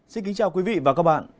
xin kính chào quý vị và các bạn